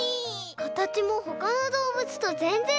かたちもほかのどうぶつとぜんぜんちがう！